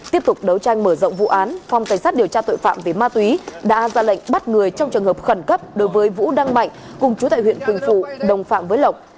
tiếp tục đấu tranh mở rộng vụ án phòng cảnh sát điều tra tội phạm về ma túy đã ra lệnh bắt người trong trường hợp khẩn cấp đối với vũ đăng mạnh cùng chú tại huyện quỳnh phụ đồng phạm với lộc